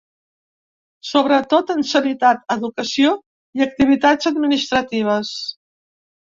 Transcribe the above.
Sobretot en sanitat, educació i activitats administratives.